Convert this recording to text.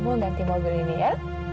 telepon nanti mobil ini ya